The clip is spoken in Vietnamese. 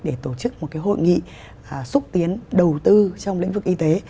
để tổ chức một hội nghị xúc tiến đầu tư trong lĩnh vực y tế